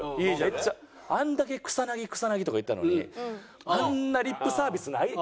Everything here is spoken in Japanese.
あんだけ「草薙草薙」とか言ってたのにあんなリップサービスない。